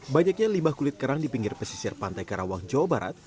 banyaknya limbah kulit kerang di pinggir pesisir pantai karawang jawa barat